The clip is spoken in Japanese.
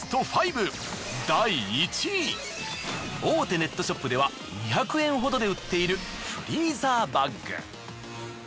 大手ネットショップでは２００円ほどで売っているフリーザーバッグ。